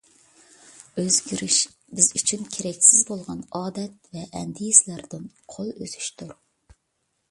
ئۆزگىرىش — بىز ئۈچۈن كېرەكسىز بولغان ئادەت ۋە ئەندىزىلەردىن قول ئۈزۈشتۇر.